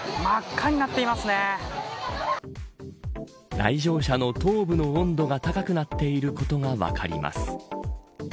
来場者の頭部の温度が高くなっていることが分かります。